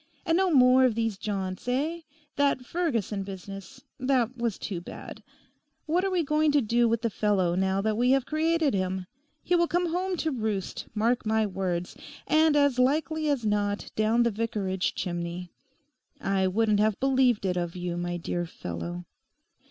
And no more of these jaunts, eh? That Ferguson business—that was too bad. What are we going to do with the fellow now we have created him? He will come home to roost—mark my words. And as likely as not down the Vicarage chimney. I wouldn't have believed it of you, my dear fellow.